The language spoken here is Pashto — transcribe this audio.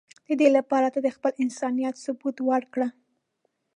د دی لپاره ته د خپل انسانیت ثبوت ورکړه.